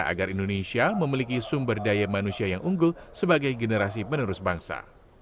agar indonesia memiliki sumber daya manusia yang unggul sebagai generasi penerus bangsa